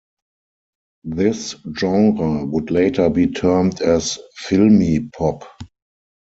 This genre would later be termed as "filmi pop".